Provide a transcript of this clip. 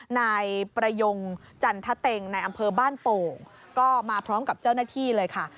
นายประยงจันทะเต็งในอำเภอบ้านโป่งก็มาพร้อมกับเจ้าหน้าที่เลยค่ะ